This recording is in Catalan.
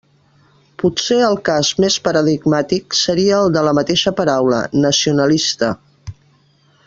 Potser el cas més paradigmàtic seria el de la mateixa paraula «nacionalista».